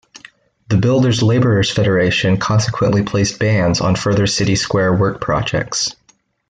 The Builders Labourers Federation consequently placed bans on further City Square work projects.